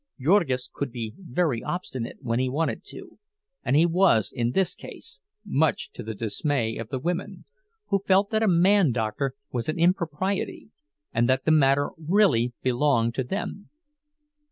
Jurgis could be very obstinate when he wanted to, and he was in this case, much to the dismay of the women, who felt that a man doctor was an impropriety, and that the matter really belonged to them.